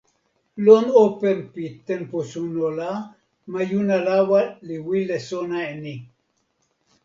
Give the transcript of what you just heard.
lon open pi tenpo suno la, majuna lawa li wile sona e ni: